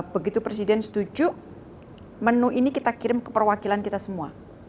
begitu presiden setuju menu ini kita kirim ke perwakilan kita semua